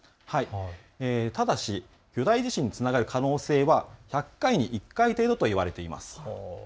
ただし巨大地震につながる可能性は１００回に１回程度といわれています。